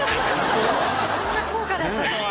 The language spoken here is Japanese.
そんな高価だったとは！